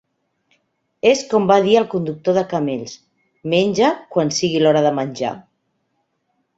És com va dir el conductor de camells: "Menja quan sigui l'hora de menjar.